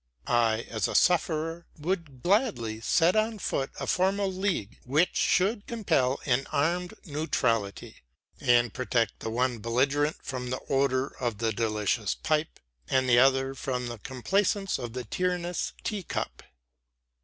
I, as a sufferer, would gladly set on foot a formal league which should compel an armed neutrality, and protect the one belligerent from the odor of the delicious pipe and the other from the complaisance of the tyrannous tea cup.